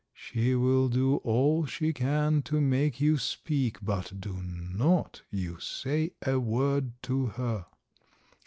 She will do all she can to make you speak, but do not you say a word to her."